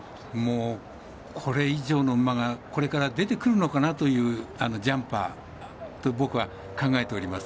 これ以上の馬がこれから出てくるのかなというジャンパーと僕は考えております。